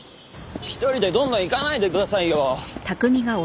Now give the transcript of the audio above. １人でどんどん行かないでくださいよ。